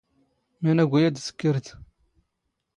ⵎⴰⵏⴰⴳⵓ ⴰⴷ ⴷ ⵜⴽⴽⵔⴷ?